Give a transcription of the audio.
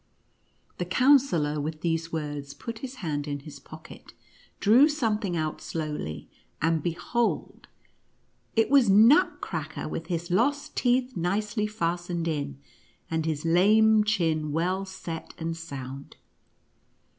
The Coun sellor with these words put his hand in his pocket, drew something out slowly, and behold it was — Nutcracker with his lost teeth nicely fastened in, and his lame chin well set and sound.